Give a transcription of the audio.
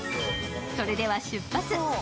それでは、出発。